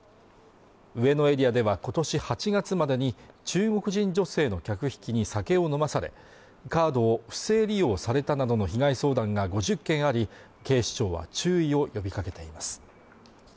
上野エリアではことし８月までに中国人女性の客引きに酒を飲まされカードを不正利用されたなどの被害相談が５０件あり警視庁は注意を呼びかけています